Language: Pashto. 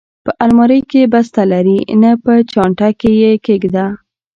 په المارۍ کې، بسته لرې؟ نه، په چانټه کې یې کېږده.